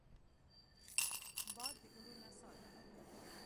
باد د ګلو نڅا ده